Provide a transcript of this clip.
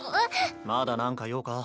まだなんか用か？